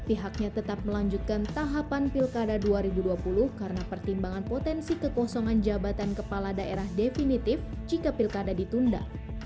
pihaknya tetap melanjutkan tahapan pilkada dua ribu dua puluh karena pertimbangan potensi kekosongan jabatan kepala daerah definitif jika pilkada ditunda